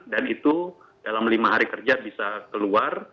dan itu dalam lima hari kerja bisa keluar